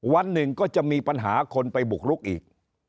วันหนึ่งก็จะมีปัญหาคนไปบุกรุกอีก